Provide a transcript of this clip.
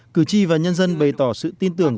cử tri và nhân dân bày tỏ sự tin tưởng